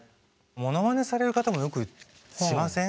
モノマネされる方もよくしません？